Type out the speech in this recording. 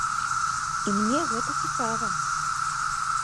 І мне гэта цікава.